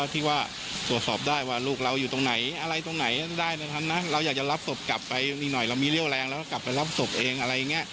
ที่ว่าสวดสอบได้ที่ว่าลูกเราอยู่ตรงไหนอย่างไร